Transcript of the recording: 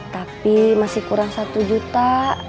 tapi masih kurang satu juta